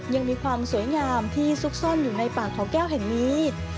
ยังมีความสวยงามที่ซุกซ่อนอยู่ในป่าเขาแก้วแห่งนี้